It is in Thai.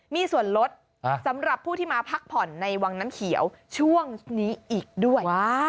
มีส่วนลดสำหรับผู้ที่มาพักผ่อนในวังน้ำเขียวช่วงนี้อีกด้วย